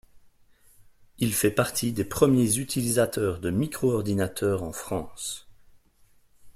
Il fait partie des premiers utilisateurs de micro ordinateurs en France.